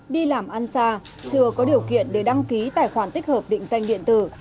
đi làm ăn xa chưa có điều kiện để đăng ký tài khoản tích hợp định danh điện tử